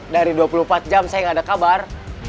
dari dua puluh empat jam saya nggak ada kabar